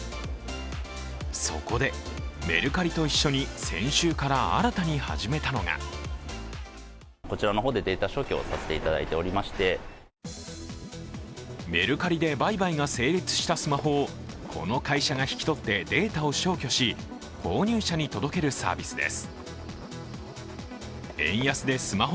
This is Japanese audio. そこで、メルカリと一緒に先週から新たに始めたのがメルカリで売買が成立したスマホをこの会社が引き取ってデータを消去し、購入者に届けるサービスです。